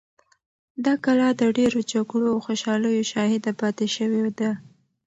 دا کلا د ډېرو جګړو او خوشحالیو شاهده پاتې شوې ده.